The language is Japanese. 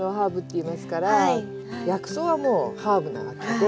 薬草はもうハーブなわけで。